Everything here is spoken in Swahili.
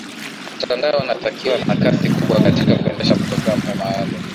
mtandao unatakiwa na kasi kubwa katika kuendesha programu maalum